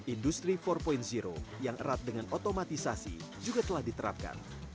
industri empat yang erat dengan otomatisasi juga telah diterapkan